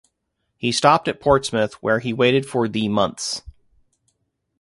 He stopped at Portsmouth where he waited for thee months.